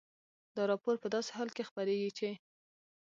دا راپور په داسې حال کې خپرېږي چې